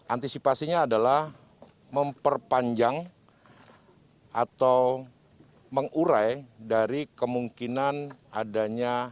antisipasinya adalah memperpanjang atau mengurai dari kemungkinan adanya